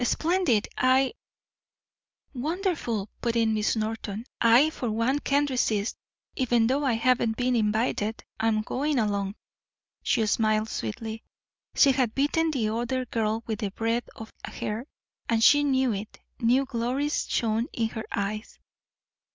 "Splendid. I " "Wonderful," put in Miss Norton. "I, for one, can't resist. Even though I haven't been invited, I'm going along." She smiled sweetly. She had beaten the other girl by the breadth of a hair, and she knew it. New glories shone in her eyes.